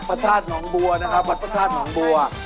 พระธาตุหนองบัวนะครับวัดพระธาตุหนองบัว